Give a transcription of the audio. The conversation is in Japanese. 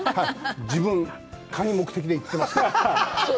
自分、カニ目的で行ってます。